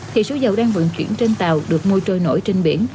thì số dầu đang vận chuyển trên tàu được môi trôi nổi trên biển